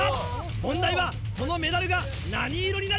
問題はそのメダルが何色になるか？